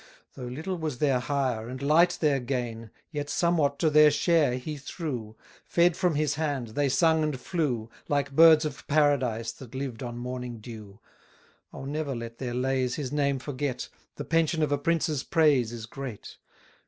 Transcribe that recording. Though little was their hire, and light their gain, Yet somewhat to their share he threw; Fed from his hand, they sung and flew, Like birds of Paradise that lived on morning dew. Oh, never let their lays his name forget! The pension of a prince's praise is great.